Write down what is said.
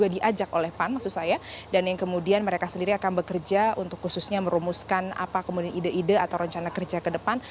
diajak oleh pan maksud saya dan yang kemudian mereka sendiri akan bekerja untuk khususnya merumuskan apa kemudian ide ide atau rencana kerja ke depan